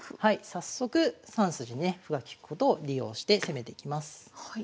早速３筋にね歩が利くことを利用して攻めていきます。